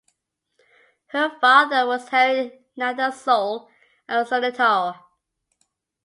Her father was Henry Nethersole, a solicitor.